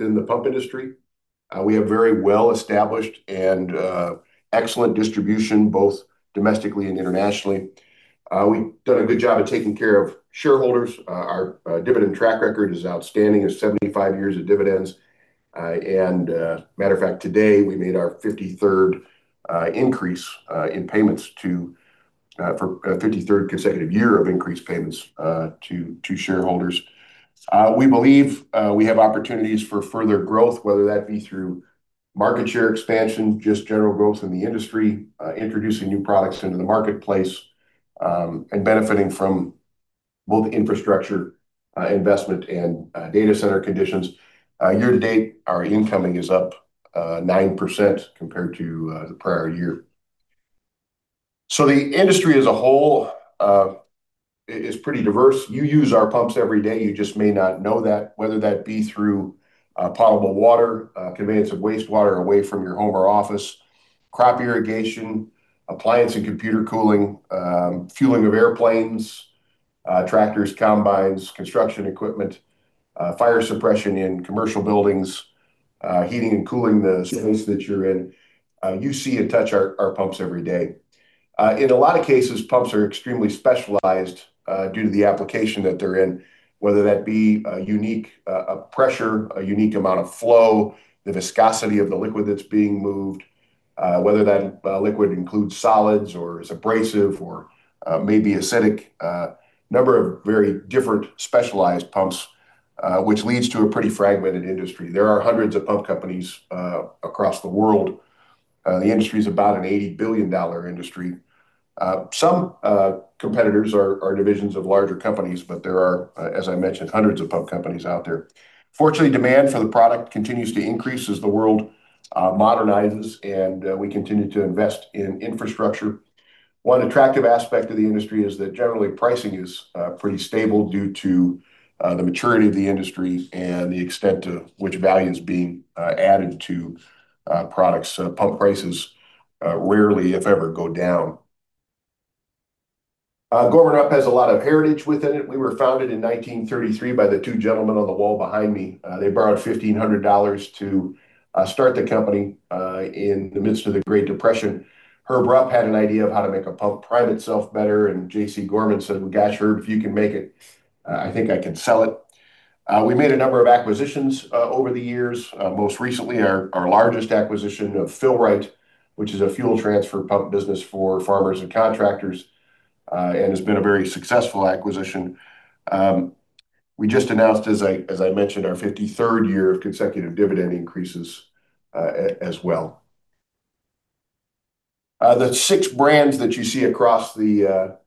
In the pump industry, we have very well-established and excellent distribution, both domestically and internationally. We've done a good job of taking care of shareholders. Our dividend track record is outstanding: 75 years of dividends, and as a matter of fact, today we made our 53rd increase in payments to shareholders for a 53rd consecutive year of increased payments to shareholders. We believe we have opportunities for further growth, whether that be through market share expansion, just general growth in the industry, introducing new products into the marketplace, and benefiting from both infrastructure investment and data center conditions. Year to date, our incoming is up 9% compared to the prior year, so the industry as a whole is pretty diverse. You use our pumps every day. You just may not know that, whether that be through potable water, conveyance of wastewater away from your home or office, crop irrigation, appliance and computer cooling, fueling of airplanes, tractors, combines, construction equipment, fire suppression in commercial buildings, heating and cooling the space that you're in. You see and touch our pumps every day. In a lot of cases, pumps are extremely specialized due to the application that they're in, whether that be a unique pressure, a unique amount of flow, the viscosity of the liquid that's being moved, whether that liquid includes solids or is abrasive or maybe acidic, a number of very different specialized pumps, which leads to a pretty frAgmented industry. There are hundreds of pump companies across the world. The industry is about an $80 billion industry. Some competitors are divisions of larger companies, but there are, as I mentioned, hundreds of pump companies out there. Fortunately, demand for the product continues to increase as the world modernizes, and we continue to invest in infrastructure. One attractive aspect of the industry is that generally pricing is pretty stable due to the maturity of the industry and the extent to which value is being added to products. Pump prices rarely, if ever, go down. Gorman-Rupp has a lot of heritAge within it. We were founded in 1933 by the two gentlemen on the wall behind me. They borrowed $1,500 to start the company in the midst of the Great Depression. Herb Rupp had an idea of how to make a pump self-prime better, and J.C. Gorman said, "Well, gosh, Herb, if you can make it, I think I can sell it." We made a number of acquisitions over the years. Most recently, our largest acquisition of Fill-Rite, which is a fuel transfer pump business for farmers and contractors, and has been a very successful acquisition. We just announced, as I mentioned, our 53rd year of consecutive dividend increases as well. The six brands that you see across the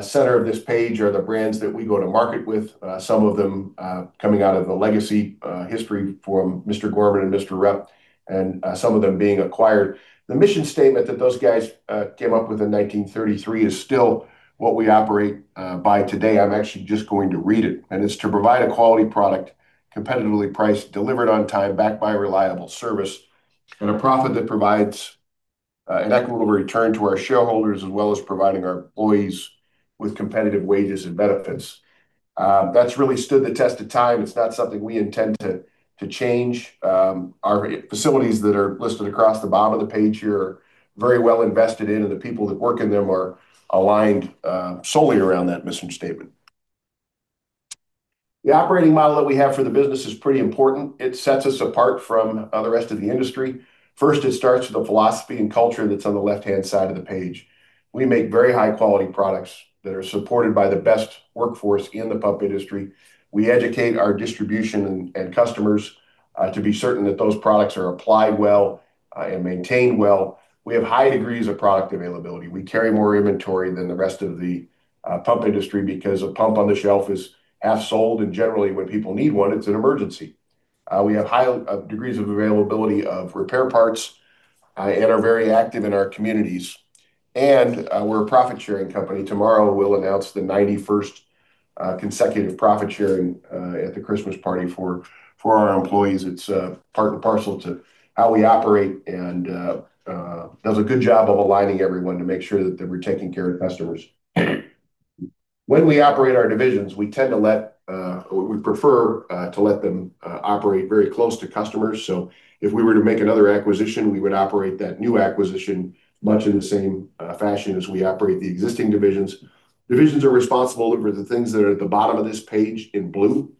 center of this pAge are the brands that we go to market with, some of them coming out of the legacy history from Mr. Gorman and Mr. Rupp, and some of them being acquired. The mission statement that those guys came up with in 1933 is still what we operate by today. I'm actually just going to read it, and it's to provide a quality product, competitively priced, delivered on time, backed by reliable service, and a profit that provides an equitable return to our shareholders as well as providing our employees with competitive wAges and benefits. That's really stood the test of time. It's not something we intend to change. Our facilities that are listed across the bottom of the pAge here are very well invested in, and the people that work in them are aligned solely around that mission statement. The operating model that we have for the business is pretty important. It sets us apart from the rest of the industry. First, it starts with the philosophy and culture that's on the left-hand side of the pAge. We make very high-quality products that are supported by the best workforce in the pump industry. We educate our distribution and customers to be certain that those products are applied well and maintained well. We have high degrees of product availability. We carry more inventory than the rest of the pump industry because a pump on the shelf is half sold, and generally when people need one, it's an emergency. We have high degrees of availability of repair parts and are very active in our communities, and we're a profit-sharing company. Tomorrow, we'll announce the 91st consecutive profit-sharing at the Christmas party for our employees. It's part and parcel to how we operate and does a good job of aligning everyone to make sure that we're taking care of customers. When we operate our divisions, we tend to let—we prefer to let them operate very close to customers, so if we were to make another acquisition, we would operate that new acquisition much in the same fashion as we operate the existing divisions. Divisions are responsible for the things that are at the bottom of this pAge in blue.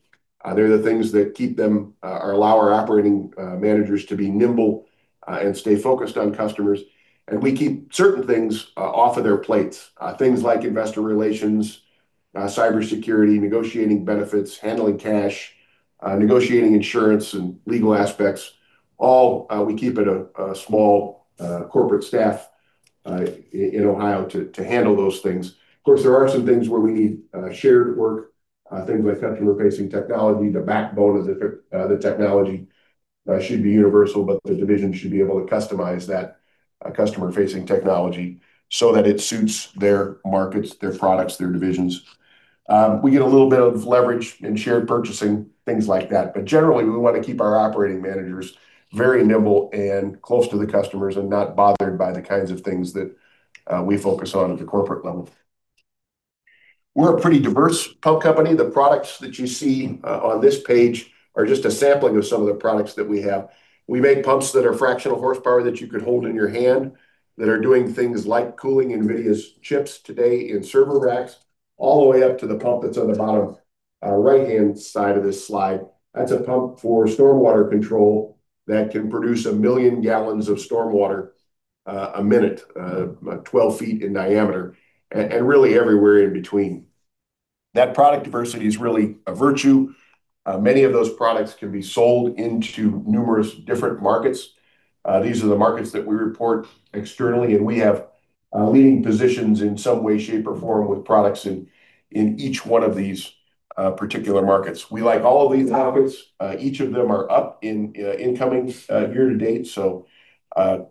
They're the things that keep them or allow our operating manAgers to be nimble and stay focused on customers. And we keep certain things off of their plates, things like investor relations, cybersecurity, negotiating benefits, handling cash, negotiating insurance, and legal aspects. All we keep at a small corporate staff in Ohio to handle those things. Of course, there are some things where we need shared work, things like customer-facing technology. The backbone of the technology should be universal, but the division should be able to customize that customer-facing technology so that it suits their markets, their products, their divisions. We get a little bit of leverAge in shared purchasing, things like that. But generally, we want to keep our operating manAgers very nimble and close to the customers and not bothered by the kinds of things that we focus on at the corporate level. We're a pretty diverse pump company. The products that you see on this pAge are just a sampling of some of the products that we have. We make pumps that are fractional horsepower that you could hold in your hand, that are doing things like cooling NVIDIA's chips today in server racks, all the way up to the pump that's on the bottom right-hand side of this slide. That's a pump for stormwater control that can produce a million gallons of stormwater a minute, 12 feet in diameter, and really everywhere in between. That product diversity is really a virtue. Many of those products can be sold into numerous different markets. These are the markets that we report externally, and we have leading positions in some way, shape, or form with products in each one of these particular markets. We like all of these markets. Each of them are up in incoming year to date, so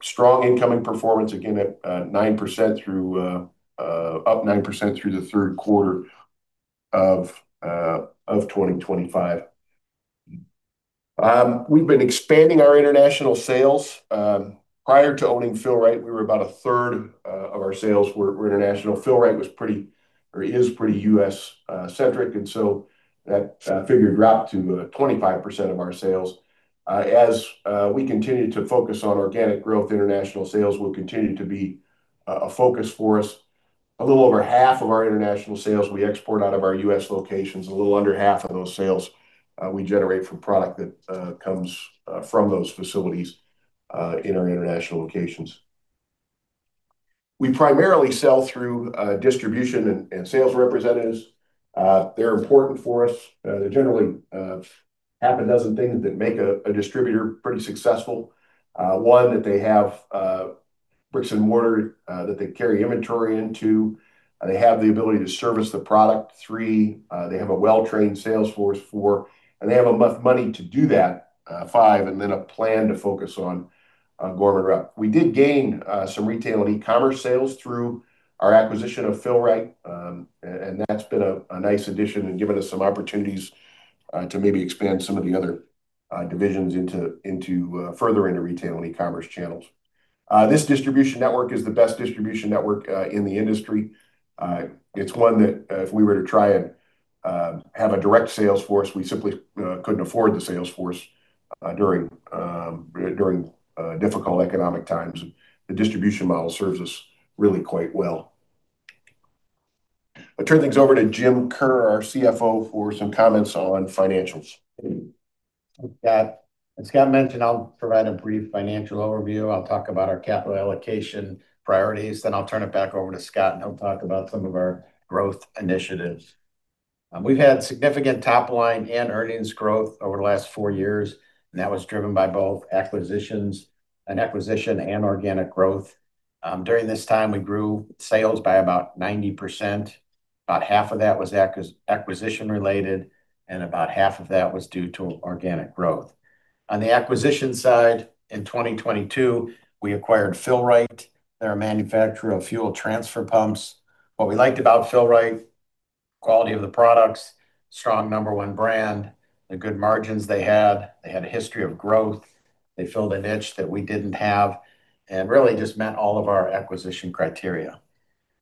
strong incoming performance, Again, at 9% through up 9% through the third quarter of 2025. We've been expanding our international sales. Prior to owning Fill-Rite, we were about a third of our sales were international. Fill-Rite was pretty or is pretty U.S.-centric, and so that figure dropped to 25% of our sales. As we continue to focus on organic growth, international sales will continue to be a focus for us. A little over half of our international sales we export out of our U.S. locations. A little under half of those sales we generate from product that comes from those facilities in our international locations. We primarily sell through distribution and sales representatives. They're important for us. There are generally half a dozen things that make a distributor pretty successful. One, that they have bricks and mortar that they carry inventory into. They have the ability to service the product. Three, they have a well-trained sales force. Four, and they have enough money to do that. Five, and then a plan to focus on Gorman-Rupp. We did gain some retail and e-commerce sales through our acquisition of Fill-Rite, and that's been a nice addition and given us some opportunities to maybe expand some of the other divisions further into retail and e-commerce channels. This distribution network is the best distribution network in the industry. It's one that if we were to try and have a direct sales force, we simply couldn't afford the sales force during difficult economic times. The distribution model serves us really quite well. I'll turn things over to Jim Kerr, our CFO, for some comments on financials. As Scott mentioned, I'll provide a brief financial overview. I'll talk about our capital allocation priorities, then I'll turn it back over to Scott, and he'll talk about some of our growth initiatives. We've had significant top-line and earnings growth over the last four years, and that was driven by both acquisition and organic growth. During this time, we grew sales by about 90%. About half of that was acquisition-related, and about half of that was due to organic growth. On the acquisition side, in 2022, we acquired Fill-Rite. They're a manufacturer of fuel transfer pumps. What we liked about Fill-Rite: quality of the products, strong number one brand, the good margins they had. They had a history of growth. They filled a niche that we didn't have, and really just met all of our acquisition criteria.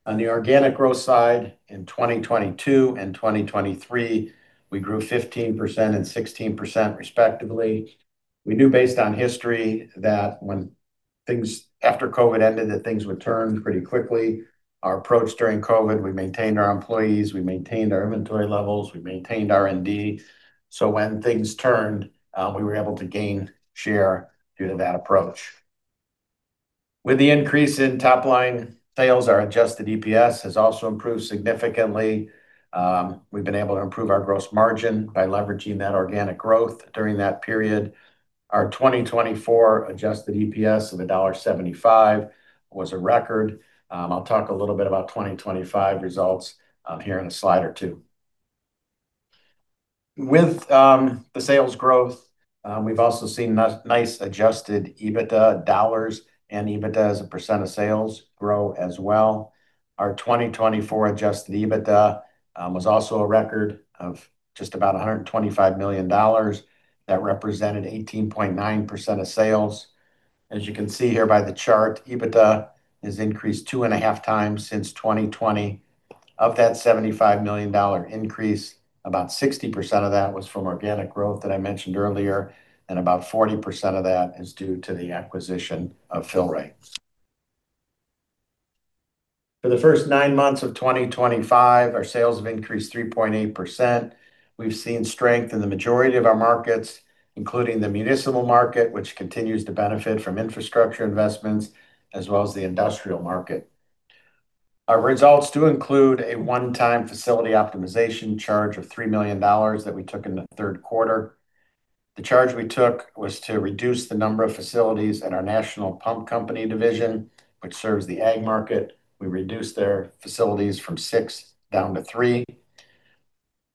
On the organic growth side, in 2022 and 2023, we grew 15% and 16% respectively. We knew based on history that after COVID ended, that things would turn pretty quickly. Our approach during COVID: we maintained our employees, we maintained our inventory levels, we maintained R&D. So when things turned, we were able to gain share due to that approach. With the increase in top-line sales, our Adjusted EPS has also improved significantly. We've been able to improve our gross margin by leverAging that organic growth during that period. Our 2024 Adjusted EPS of $1.75 was a record. I'll talk a little bit about 2025 results here in a slide or two. With the sales growth, we've also seen nice Adjusted EBITDA dollars, and EBITDA as a percent of sales grow as well. Our 2024 Adjusted EBITDA was also a record of just about $125 million that represented 18.9% of sales. As you can see here by the chart, EBITDA has increased two and a half times since 2020. Of that $75 million increase, about 60% of that was from organic growth that I mentioned earlier, and about 40% of that is due to the acquisition of Fill-Rite. For the first nine months of 2025, our sales have increased 3.8%. We've seen strength in the majority of our markets, including the municipal market, which continues to benefit from infrastructure investments, as well as the industrial market. Our results do include a one-time facility optimization charge of $3 million that we took in the third quarter. The charge we took was to reduce the number of facilities in our National Pump Company division, which serves the Ag market. We reduced their facilities from six down to three.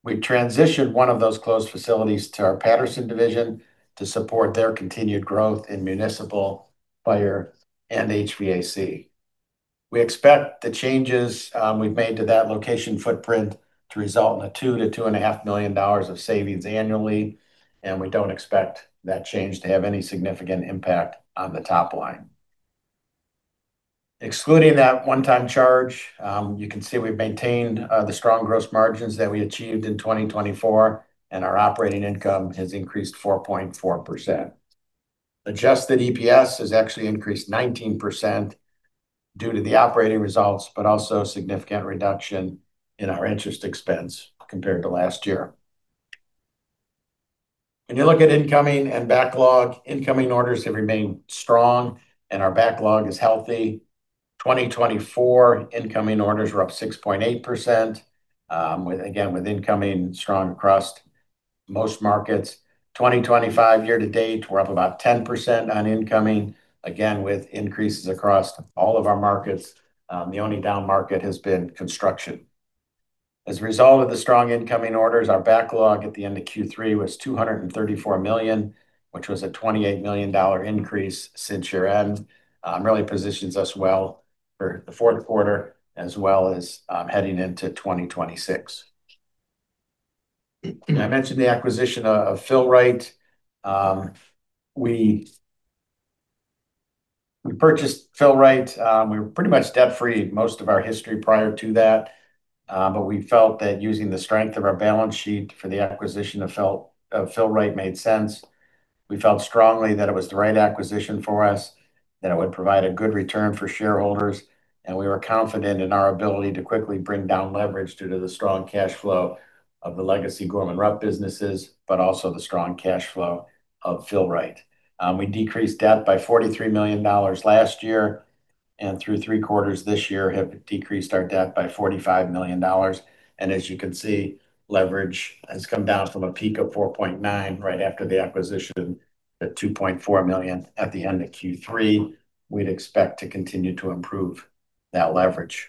We transitioned one of those closed facilities to our Patterson division to support their continued growth in municipal fire and HVAC. We expect the changes we've made to that location footprint to result in a $2-$2.5 million of savings annually, and we don't expect that change to have any significant impact on the top line. Excluding that one-time charge, you can see we've maintained the strong gross margins that we achieved in 2024, and our operating income has increased 4.4%. Adjusted EPS has actually increased 19% due to the operating results, but also a significant reduction in our interest expense compared to last year. When you look at incoming and backlog, incoming orders have remained strong, and our backlog is healthy. 2024 incoming orders were up 6.8%, Again with incoming strong across most markets. 2025 year to date, we're up about 10% on incoming, Again with increases across all of our markets. The only down market has been construction. As a result of the strong incoming orders, our backlog at the end of Q3 was $234 million, which was a $28 million increase since year-end. It really positions us well for the fourth quarter as well as heading into 2026. I mentioned the acquisition of Fill-Rite. We purchased Fill-Rite. We were pretty much debt-free most of our history prior to that, but we felt that using the strength of our balance sheet for the acquisition of Fill-Rite made sense. We felt strongly that it was the right acquisition for us, that it would provide a good return for shareholders, and we were confident in our ability to quickly bring down leverAge due to the strong cash flow of the legacy Gorman-Rupp businesses, but also the strong cash flow of Fill-Rite. We decreased debt by $43 million last year, and through three quarters this year, have decreased our debt by $45 million, and as you can see, leverAge has come down from a peak of 4.9 right after the acquisition to 2.4 at the end of Q3. We'd expect to continue to improve that leverAge.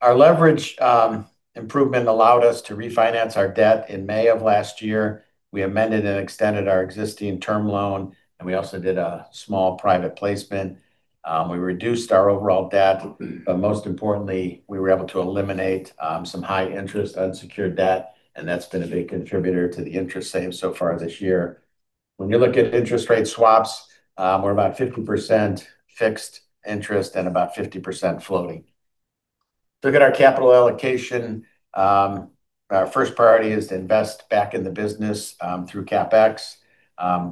Our leverAge improvement allowed us to refinance our debt in May of last year. We amended and extended our existing term loan, and we also did a small private placement. We reduced our overall debt, but most importantly, we were able to eliminate some high-interest unsecured debt, and that's been a big contributor to the interest saved so far this year. When you look at interest rate swaps, we're about 50% fixed interest and about 50% floating. Look at our capital allocation. Our first priority is to invest back in the business through CapEx.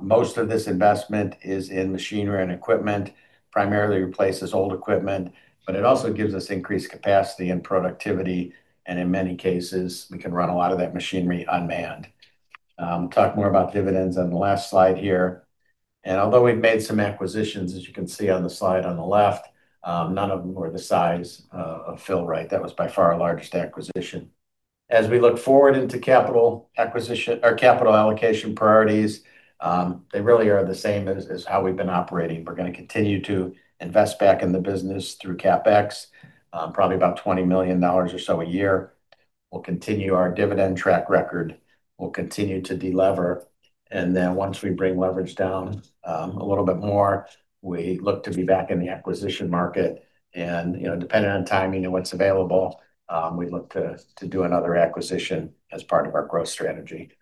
Most of this investment is in machinery and equipment, primarily replaces old equipment, but it also gives us increased capacity and productivity, and in many cases, we can run a lot of that machinery unmanned. I'll talk more about dividends on the last slide here, and although we've made some acquisitions, as you can see on the slide on the left, none of them were the size of Fill-Rite. That was by far our largest acquisition. As we look forward into capital allocation priorities, they really are the same as how we've been operating. We're going to continue to invest back in the business through CapEx, probably about $20 million or so a year. We'll continue our dividend track record. We'll continue to deliver. And then once we bring leverAge down a little bit more, we look to be back in the acquisition market. And depending on timing and what's available, we'd look to do another acquisition as part of our growth strategy.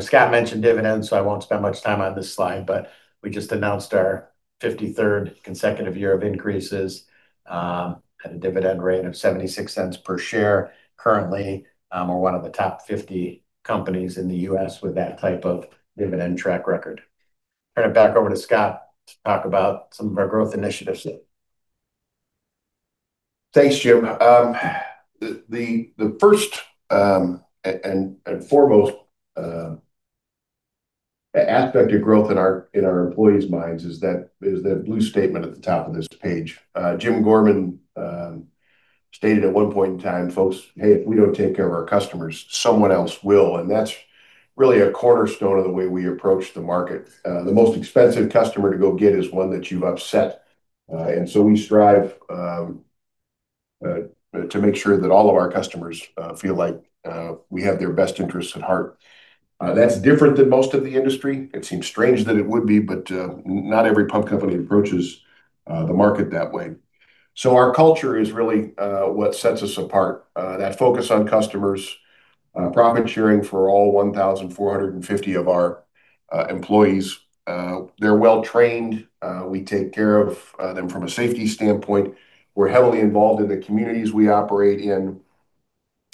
Scott mentioned dividends, so I won't spend much time on this slide, but we just announced our 53rd consecutive year of increases at a dividend rate of $0.76 per share. Currently, we're one of the top 50 companies in the U.S. with that type of dividend track record. Turn it back over to Scott to talk about some of our growth initiatives. Thanks, Jim. The first and foremost aspect of growth in our employees' minds is that blue statement at the top of this pAge. Jim Gorman stated at one point in time, "Folks, hey, if we don't take care of our customers, someone else will." And that's really a cornerstone of the way we approach the market. The most expensive customer to go get is one that you've upset. And so we strive to make sure that all of our customers feel like we have their best interests at heart. That's different than most of the industry. It seems strange that it would be, but not every pump company approaches the market that way. So our culture is really what sets us apart. That focus on customers, profit sharing for all 1,450 of our employees. They're well-trained. We take care of them from a safety standpoint. We're heavily involved in the communities we operate in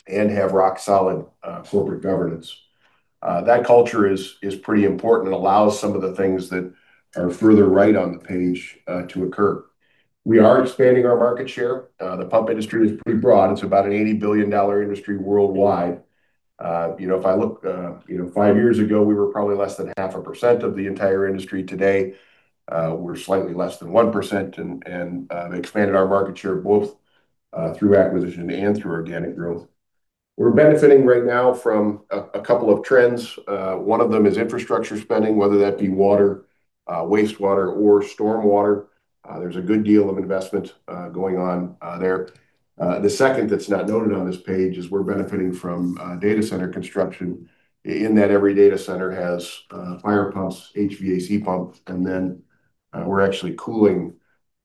and have rock-solid corporate governance. That culture is pretty important and allows some of the things that are further right on the pAge to occur. We are expanding our market share. The pump industry is pretty broad. It's about an $80 billion industry worldwide. If I look five years Ago, we were probably less than 0.5% of the entire industry. Today, we're slightly less than 1% and expanded our market share both through acquisition and through organic growth. We're benefiting right now from a couple of trends. One of them is infrastructure spending, whether that be water, wastewater, or stormwater. There's a good deal of investment going on there. The second that's not noted on this pAge is we're benefiting from data center construction. In that, every data center has fire pumps, HVAC pumps, and then we're actually cooling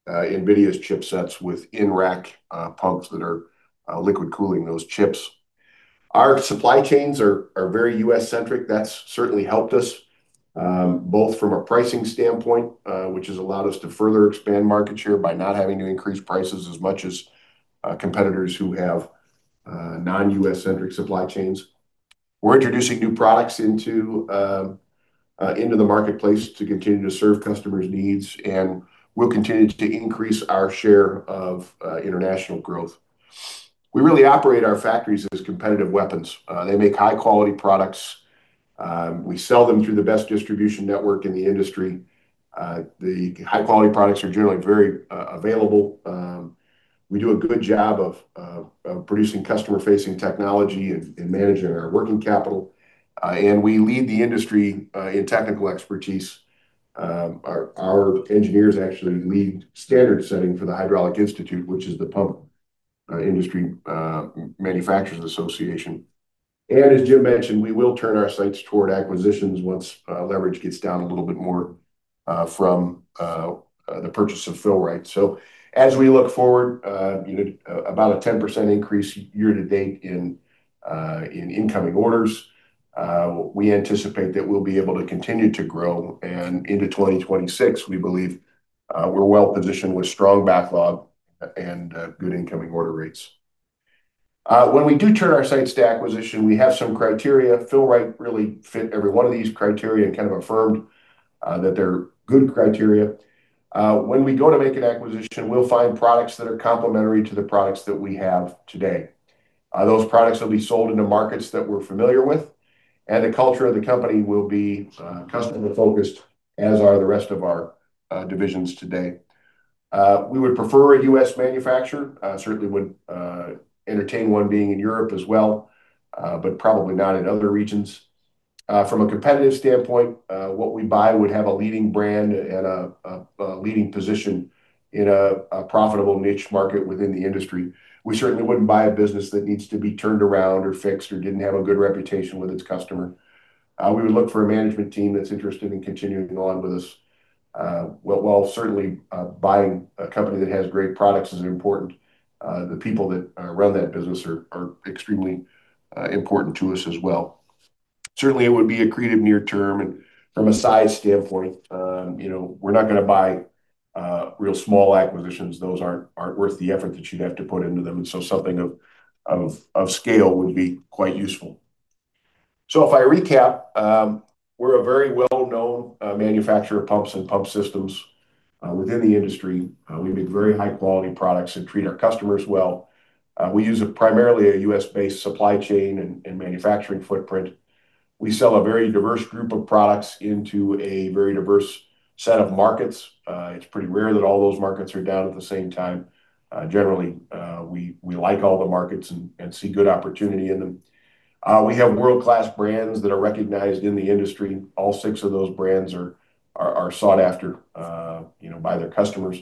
NVIDIA's chipsets with in-rack pumps that are liquid cooling those chips. Our supply chains are very U.S.-centric. That's certainly helped us both from a pricing standpoint, which has allowed us to further expand market share by not having to increase prices as much as competitors who have non-U.S.-centric supply chains. We're introducing new products into the marketplace to continue to serve customers' needs, and we'll continue to increase our share of international growth. We really operate our factories as competitive weapons. They make high-quality products. We sell them through the best distribution network in the industry. The high-quality products are generally very available. We do a good job of producing customer-facing technology and manAging our working capital, and we lead the industry in technical expertise. Our engineers actually lead standard setting for the Hydraulic Institute, which is the pump industry manufacturers' association, and as Jim mentioned, we will turn our sights toward acquisitions once leverAge gets down a little bit more from the purchase of Fill-Rite, so as we look forward, about a 10% increase year to date in incoming orders, we anticipate that we'll be able to continue to grow, and into 2026, we believe we're well-positioned with strong backlog and good incoming order rates. When we do turn our sights to acquisition, we have some criteria. Fill-Rite really fit every one of these criteria and kind of affirmed that they're good criteria. When we go to make an acquisition, we'll find products that are complementary to the products that we have today. Those products will be sold into markets that we're familiar with, and the culture of the company will be customer-focused, as are the rest of our divisions today. We would prefer a U.S. manufacturer. Certainly would entertain one being in Europe as well, but probably not in other regions. From a competitive standpoint, what we buy would have a leading brand and a leading position in a profitable niche market within the industry. We certainly wouldn't buy a business that needs to be turned around or fixed or didn't have a good reputation with its customer. We would look for a manAgement team that's interested in continuing on with us. While certainly buying a company that has great products is important, the people that run that business are extremely important to us as well. Certainly, it would be accretive near-term. And from a size standpoint, we're not going to buy real small acquisitions. Those aren't worth the effort that you'd have to put into them. And so something of scale would be quite useful. So if I recap, we're a very well-known manufacturer of pumps and pump systems within the industry. We make very high-quality products that treat our customers well. We use primarily a U.S.-based supply chain and manufacturing footprint. We sell a very diverse group of products into a very diverse set of markets. It's pretty rare that all those markets are down at the same time. Generally, we like all the markets and see good opportunity in them. We have world-class brands that are recognized in the industry. All six of those brands are sought after by their customers.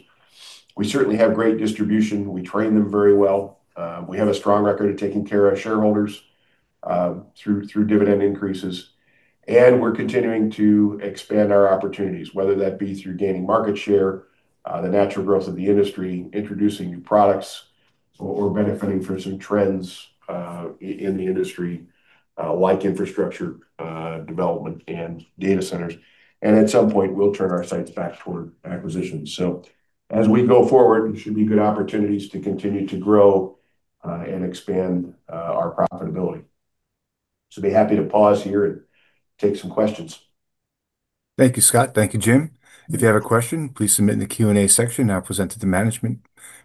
We certainly have great distribution. We train them very well. We have a strong record of taking care of shareholders through dividend increases, and we're continuing to expand our opportunities, whether that be through gaining market share, the natural growth of the industry, introducing new products, or benefiting from some trends in the industry like infrastructure development and data centers, and at some point, we'll turn our sights back toward acquisitions, so as we go forward, there should be good opportunities to continue to grow and expand our profitability, so be happy to pause here and take some questions. Thank you, Scott. Thank you, Jim. If you have a question, please submit in the Q&A section now presented to manAgement.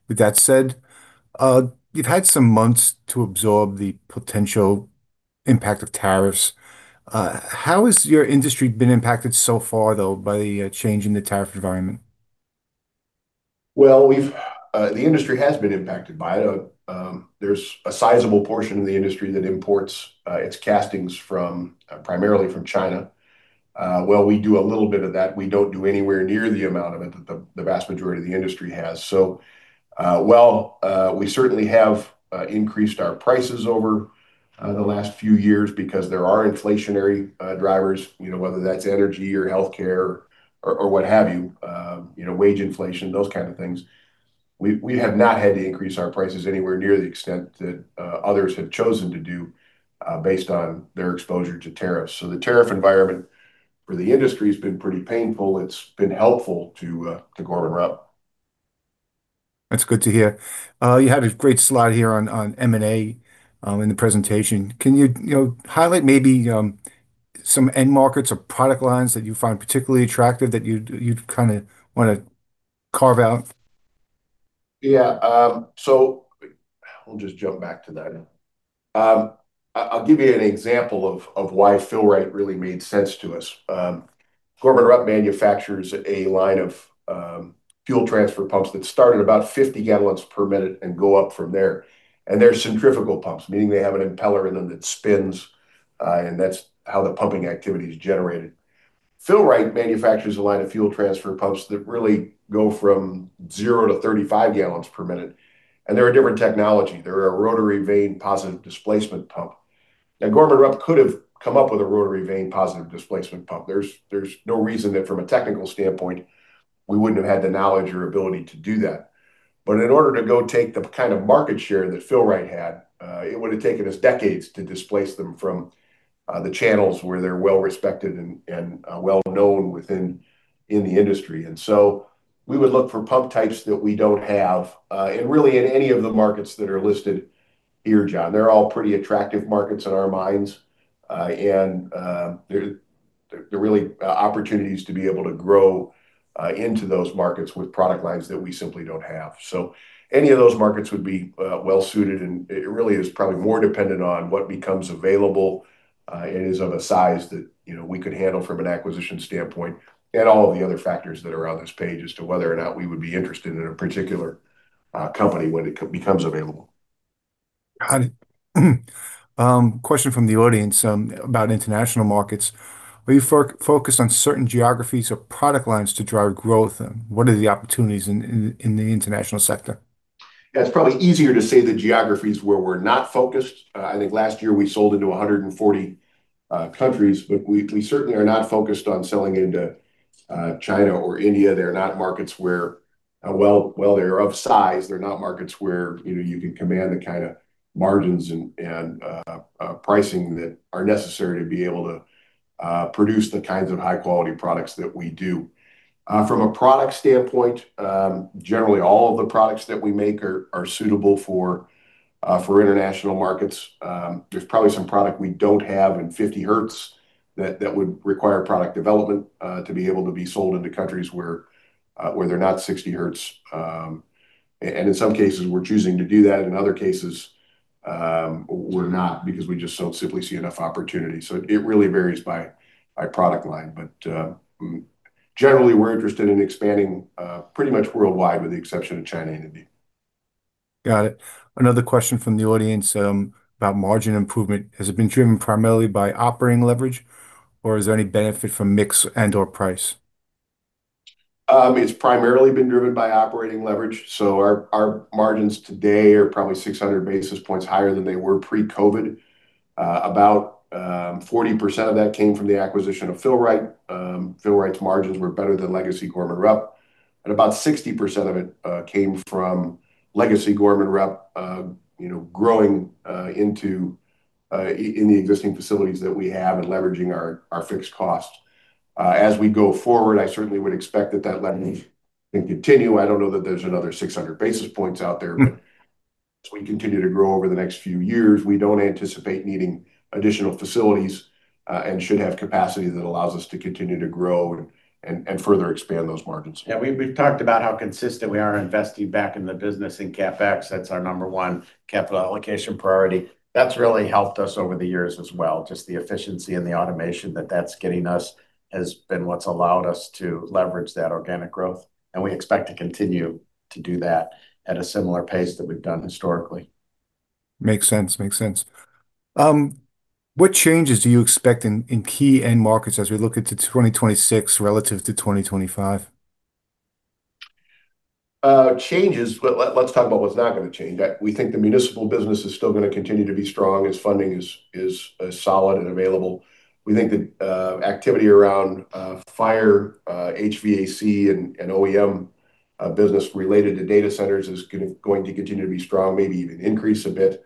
With that said, you've had some months to absorb the potential impact of tariffs. How has your industry been impacted so far, though, by the change in the tariff environment? Well, the industry has been impacted by it. There's a sizable portion of the industry that imports its castings primarily from China. Well, we do a little bit of that. We don't do anywhere near the amount of it that the vast majority of the industry has. So while we certainly have increased our prices over the last few years because there are inflationary drivers, whether that's energy or healthcare or what have you, wAge inflation, those kinds of things, we have not had to increase our prices anywhere near the extent that others have chosen to do based on their exposure to tariffs. So the tariff environment for the industry has been pretty painful. It's been helpful to Gorman-Rupp. That's good to hear. You had a great slide here on M&A in the presentation. Can you highlight maybe some end markets or product lines that you find particularly attractive that you'd kind of want to carve out? Yeah. So we'll just jump back to that. I'll give you an example of why Fill-Rite really made sense to us. Gorman-Rupp manufactures a line of fuel transfer pumps that start at about 50 gallons per minute and go up from there. And they're centrifugal pumps, meaning they have an impeller in them that spins, and that's how the pumping activity is generated. Fill-Rite manufactures a line of fuel transfer pumps that really go from 0 to 35 gallons per minute. And they're a different technology. They're a rotary vane positive displacement pump. Now, Gorman-Rupp could have come up with a rotary vane positive displacement pump. There's no reason that from a technical standpoint, we wouldn't have had the knowledge or ability to do that. But in order to go take the kind of market share that Fill-Rite had, it would have taken us decades to displace them from the channels where they're well-respected and well-known within the industry. And so we would look for pump types that we don't have. And really, in any of the markets that are listed here, John, they're all pretty attractive markets in our minds. And there are really opportunities to be able to grow into those markets with product lines that we simply don't have. So any of those markets would be well-suited. And it really is probably more dependent on what becomes available and is of a size that we could handle from an acquisition standpoint and all of the other factors that are on this pAge as to whether or not we would be interested in a particular company when it becomes available. Got it. Question from the audience about international markets. Are you focused on certain geographies or product lines to drive growth? And what are the opportunities in the international sector? Yeah, it's probably easier to say the geographies where we're not focused. I think last year we sold into 140 countries, but we certainly are not focused on selling into China or India. They're not markets where, while they're of size, they're not markets where you can command the kind of margins and pricing that are necessary to be able to produce the kinds of high-quality products that we do. From a product standpoint, generally, all of the products that we make are suitable for international markets. There's probably some product we don't have in 50 hertz that would require product development to be able to be sold into countries where they're not 60 hertz. And in some cases, we're choosing to do that. In other cases, we're not because we just don't simply see enough opportunity. So it really varies by product line. But generally, we're interested in expanding pretty much worldwide with the exception of China and India. Got it. Another question from the audience about margin improvement. Has it been driven primarily by operating leverAge, or is there any benefit from mix and/or price? It's primarily been driven by operating leverAge, so our margins today are probably 600 basis points higher than they were pre-COVID. About 40% of that came from the acquisition of Fill-Rite. Fill-Rite's margins were better than Legacy Gorman-Rupp, and about 60% of it came from Legacy Gorman-Rupp growing in the existing facilities that we have and leverAging our fixed costs. As we go forward, I certainly would expect that that leverAge can continue. I don't know that there's another 600 basis points out there, but as we continue to grow over the next few years, we don't anticipate needing additional facilities and should have capacity that allows us to continue to grow and further expand those margins. Yeah. We've talked about how consistent we are investing back in the business in CapEx. That's our number one capital allocation priority. That's really helped us over the years as well. Just the efficiency and the automation that that's getting us has been what's allowed us to leverAge that organic growth. And we expect to continue to do that at a similar pace that we've done historically. Makes sense. Makes sense. What changes do you expect in key end markets as we look into 2026 relative to 2025? Changes. Let's talk about what's not going to change. We think the municipal business is still going to continue to be strong as funding is solid and available. We think that activity around fire, HVAC, and OEM business related to data centers is going to continue to be strong, maybe even increase a bit.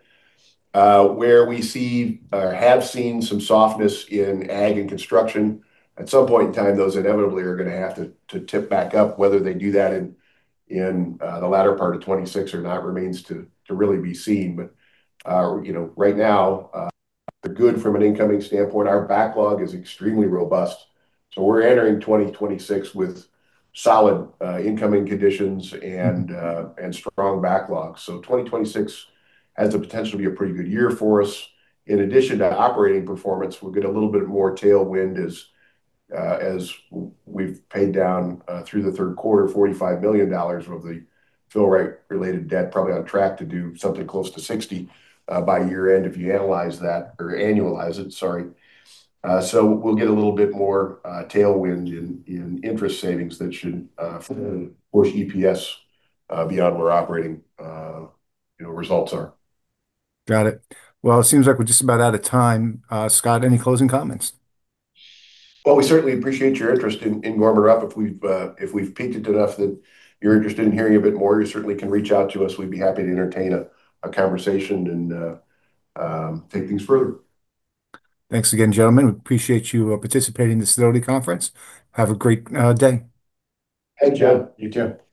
Where we see or have seen some softness in Ag and construction, at some point in time, those inevitably are going to have to tip back up. Whether they do that in the latter part of 2026 or not remains to really be seen. But right now, we're good from an incoming standpoint. Our backlog is extremely robust. So we're entering 2026 with solid incoming conditions and strong backlog. So 2026 has the potential to be a pretty good year for us. In addition to operating performance, we'll get a little bit more tailwind as we've paid down through the third quarter $45 million of the Fill-Rite-related debt, probably on track to do something close to $60 million by year-end if you analyze that or annualize it, sorry, so we'll get a little bit more tailwind in interest savings that should force EPS beyond where operating results are. Got it. Well, it seems like we're just about out of time. Scott, any closing comments? Well, we certainly appreciate your interest in Gorman-Rupp. If we've piqued it enough that you're interested in hearing a bit more, you certainly can reach out to us. We'd be happy to entertain a conversation and take things further. Thanks Again, gentlemen. We appreciate you participating in this Deloitte Conference. Have a great day. Thanks, John. You too. Bye.